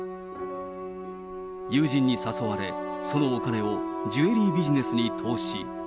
友人に誘われ、そのお金をジュエリービジネスに投資。